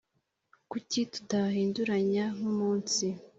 Kuki tudahinduranya nk’umunsi